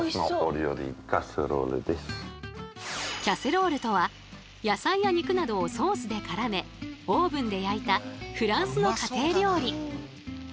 「キャセロール」とは野菜や肉などをソースでからめオーブンで焼いたフランスの家庭料理。